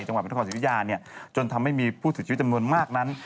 จังหวัดบริษัทธิวิทยาจนทำให้มีผู้ถือชีวิตจำนวนมากนั้น